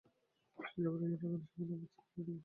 যাবার আগে এ বাগানে সম্পূর্ণ আমারই ছাপ মেরে দেব।